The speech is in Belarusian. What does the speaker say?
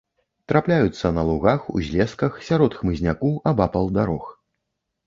Трапляюцца на лугах, узлесках, сярод хмызняку, абапал дарог.